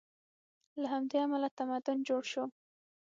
له همدې امله تمدن جوړ شو.